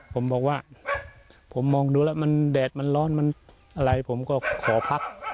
ผมบอกว่าผมมองดูแล้วมันแดดมันร้อนมันอะไรผมก็ขอพัก